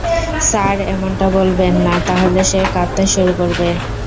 Sir, এমনটা বলবেন না, তাহলে সে কাঁদতে শুরু করবে।